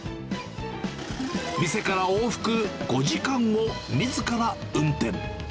店から往復５時間を、みずから運転。